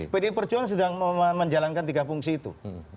pdi perjuangan sedang menjalankan tiga fungsi itu